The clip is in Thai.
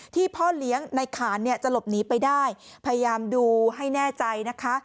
พ่อเลี้ยงในขานเนี่ยจะหลบหนีไปได้พยายามดูให้แน่ใจนะคะ